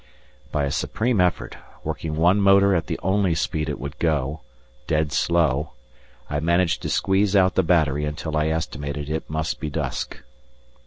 By a supreme effort, working one motor at the only speed it would go, viz., "Dead slow," I managed to squeeze out the battery until I estimated it must be dusk.